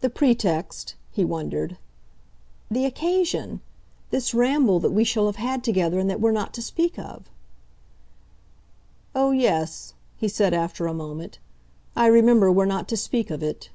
"The pretext ?" He wondered. "The occasion. This ramble that we shall have had together and that we're not to speak of." "Oh yes," he said after a moment "I remember we're not to speak of it."